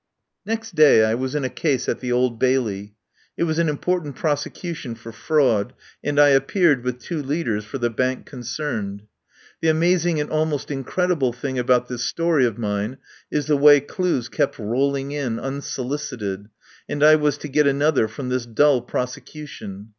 Next day I was in a case at the Old Bailey. It was an important prosecution for fraud, and I appeared, with two leaders, for the Bank concerned. The amazing and almost incredi ble thing about this story of mine is the way clues kept rolling in unsolicited, and I was to get another from this dull prosecution.